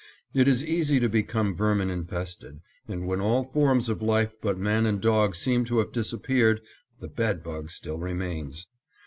It is easy to become vermin infested, and when all forms of life but man and dog seem to have disappeared, the bedbug still remains.